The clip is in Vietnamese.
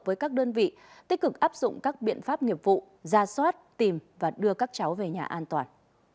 với các đơn vị tích cực áp dụng các biện pháp nghiệp vụ ra soát tìm và đưa các cháu về nhà an toàn